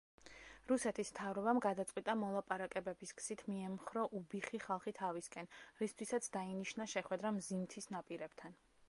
რუსეთის მთავრობამ გადაწყვიტა მოლაპარაკებების გზით მიემხრო უბიხი ხალხი თავისკენ, რისთვისაც დაინიშნა შეხვედრა მზიმთის ნაპირებთან.